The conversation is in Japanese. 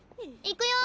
いくよ。